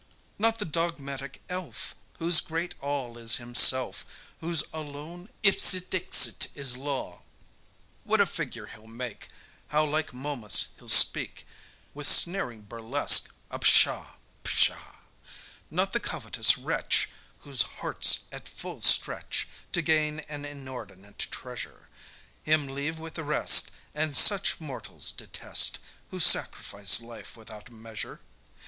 Not the dogmatic elf, Whose great all is himself, Whose alone ipse dixit is law: What a figure he'll make, How like Momus he'll speak With sneering burlesque, a pshaw! pshaw! Not the covetous wretch Whose heart's at full stretch To gain an inordinate treasure; Him leave with the rest, And such mortals detest, Who sacrifice life without measure.